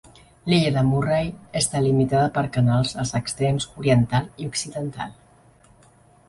L'illa de Murray està limitada per canals als extrems oriental i occidental.